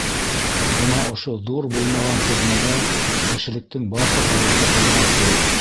Бына ошо ҙур булмаған теҙмәгә кешелектең барса тарихы һыйған кеүек.